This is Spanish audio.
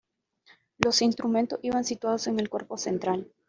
Los instrumentos iban situados en el cuerpo central.